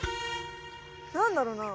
何だろうな？